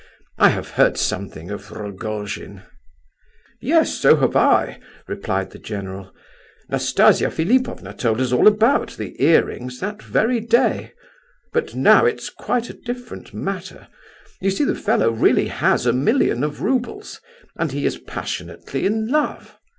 I have heard something of Rogojin!" "Yes, so have I!" replied the general. "Nastasia Philipovna told us all about the earrings that very day. But now it is quite a different matter. You see the fellow really has a million of roubles, and he is passionately in love.